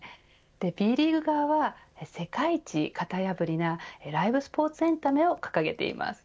Ｂリーグ側は、世界一型破りなライブスポーツエンタメを掲げています。